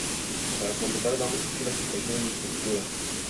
Para completar, damos aquí las ecuaciones de estructura.